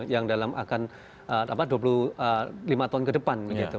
yang dalam akan dua puluh lima tahun ke depan